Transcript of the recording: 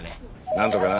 なんとかな。